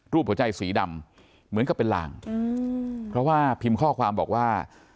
หัวใจสีดำเหมือนกับเป็นลางเพราะว่าพิมพ์ข้อความบอกว่า